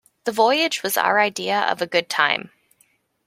The voyage was our idea of a good time.